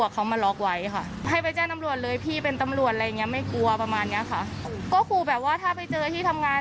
ก็คือแบบว่าถ้าไปเจอที่ทำงาน